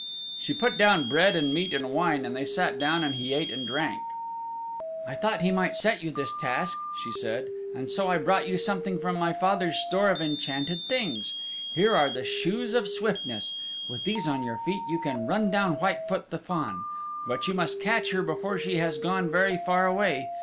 She put down bread and meat and wine, and they sat down and he ate and drank. "I thought he might set you this task," she said, "and so I brought you something from my father's store of enchanted things. Here are the Shoes of Swiftness. With these on your feet you can run down Whitefoot the Fawn. But you must catch her before she has gone very far away.